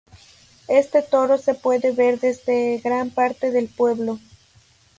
Este toro se puede ver desde gran parte del pueblo.